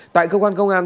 tại cơ quan công an